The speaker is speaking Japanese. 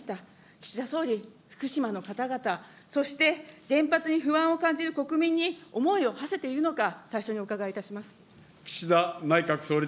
岸田総理、福島の方々、そして原発に不安を感じる国民に思いをはせているのか、最初にお伺いいたします。